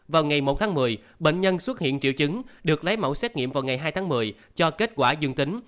vào ngày một tháng một mươi bệnh nhân xuất hiện triệu chứng được lấy mẫu xét nghiệm vào ngày hai tháng một mươi cho kết quả dương tính